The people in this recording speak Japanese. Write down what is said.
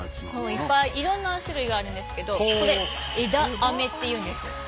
いっぱいいろんな種類があるんですけどこれ「枝アメ」っていうんですよ。